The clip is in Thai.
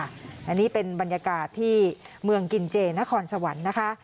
อันนี้เป็นบรรยากาศที่เมืองกินเจนครสวรรค์นะคะ